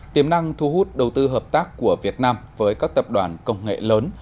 tiềm năng thu hút đầu tư hợp tác của việt nam với các tập đoàn công nghệ lớn